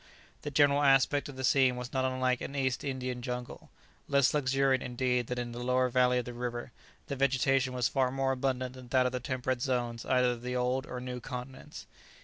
The general aspect of the scene was not unlike an East Indian jungle. Less luxuriant indeed than in the lower valley of the river, the vegetation was far more abundant than that of the temperate zones either of the Old or New continents.